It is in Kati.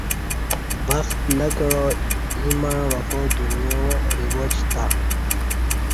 بخت نہ کعا ییں مع وفادنیا رواج تاں